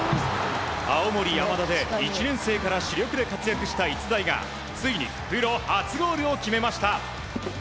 青森山田で１年生から主力で活躍した逸材がついにプロ初ゴールを決めました。